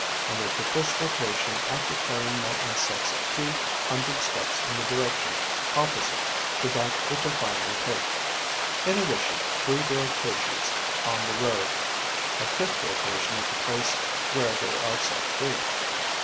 I make the first rotation after carrying my insects a few hundred steps in the direction opposite to that which I finally take; in addition, three rotations on the road; a fifth rotation at the place where they are set free.